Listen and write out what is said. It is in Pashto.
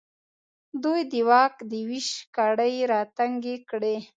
دوی د واک د وېش کړۍ راتنګې کړې.